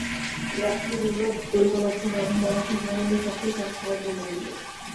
এই আশ্চর্য দুর্লভ দৈবলব্ধ ব্রাহ্মণবালকটি সোনামণির কাছে কেন সহজগম্য হইল।